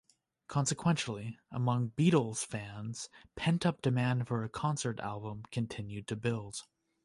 Consequently, among Beatles fans, pent-up demand for a concert album continued to build.